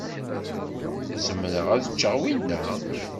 Zemreɣ ad ččeɣ winna?